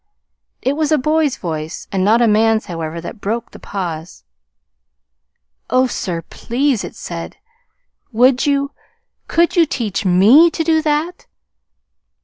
It was a boy's voice, and not a man's, however, that broke the pause. "Oh, sir, please," it said, "would you could you teach ME to do that?"